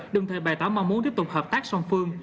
đừng thể bày tỏ mong muốn tiếp tục hợp tác song phương